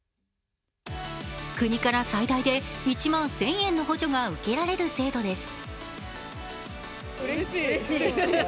国から最大で１万１０００円の補助が受けられる制度です。